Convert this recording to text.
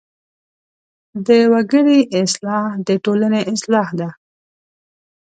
د وګړي اصلاح د ټولنې اصلاح ده.